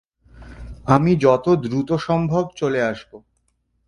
আমি যত দ্রুত সম্ভব চলে আসব!